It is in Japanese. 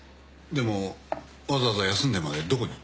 でもわざわざ休んでまでどこに？